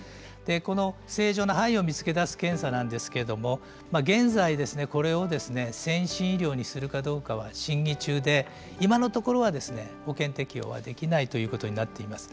この正常な胚を見つけ出す検査ですが、現在、先進医療にするかどうかは審議中で今のところ保険適用はできないということになっています。